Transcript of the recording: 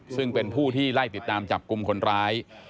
ซึ่งเป็นผู้ที่ไล่ติดตามจับกลุ่มคนร้าย